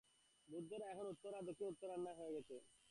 বৌদ্ধেরা এখন উত্তর আর দক্ষিণ দু-আম্নায় হয়ে গেছে।